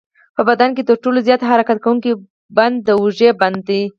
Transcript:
په بدن کې تر ټولو زیات حرکت کوونکی بند د اوږې بند دی.